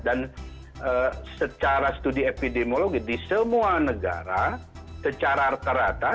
dan secara studi epidemiologi di semua negara secara rata rata